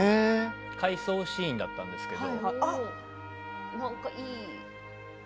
回想シーンだったんですけれど。